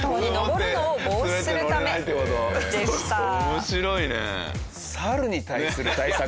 面白いね。